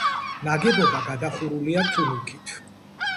ნაგებობა გადახურულია თუნუქით.